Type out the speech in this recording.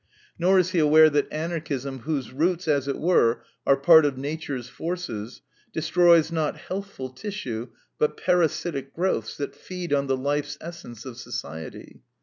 Nor is he aware that Anarchism, whose roots, as it were, are part of nature's forces, destroys, not healthful tissue, but parasitic growths that feed on the life's essence of society.